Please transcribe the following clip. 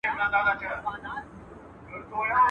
چي هلکه وه لا گوزکه وه.